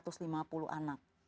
ada empat ratus lima puluh anak